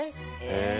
へえ。